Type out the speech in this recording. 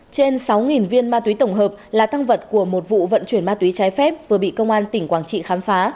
trên sáu viên ma túy tổng hợp là thăng vật của một vụ vận chuyển ma túy trái phép vừa bị công an tỉnh quảng ninh